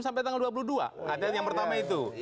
sampai tanggal dua puluh dua ada yang pertama itu